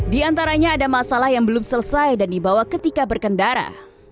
di antaranya ada masalah yang belum selesai dan dibawa ketika berkendara